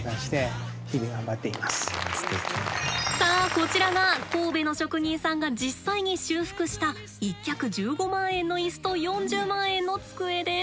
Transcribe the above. さあこちらが神戸の職人さんが実際に修復した１脚１５万円の椅子と４０万円の机です。